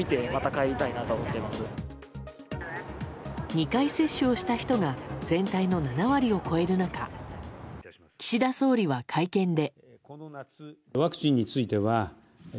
２回接種をした人が全体の７割を超える中岸田総理は会見で。